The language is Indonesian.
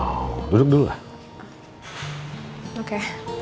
sama sama kang luand disputing serang